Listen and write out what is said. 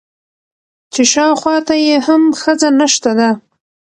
چې شاوخوا ته يې هم ښځه نشته ده.